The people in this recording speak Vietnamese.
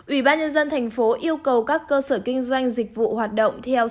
ubnd tp yêu cầu các cơ sở kinh doanh dịch vụ hoạt động theo sản phẩm